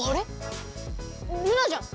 ルナじゃん！